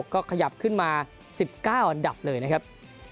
ก็ขยับขึ้นมา๑๙อันดับเลยนะครับ